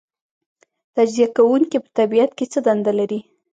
تجزیه کوونکي په طبیعت کې څه دنده لري